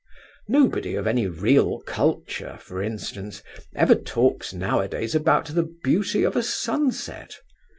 Nobody of any real culture, for instance, ever talks nowadays about the beauty of a sunset.